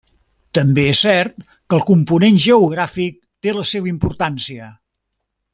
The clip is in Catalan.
També és cert que el component geogràfic té la seva importància.